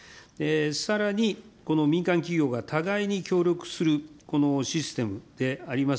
さらに、この民間企業が互いに協力するこのシステムであります